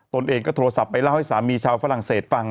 ตนเองก็โทรศัพท์ไปเล่าให้สามีชาวฝรั่งเศสฟัง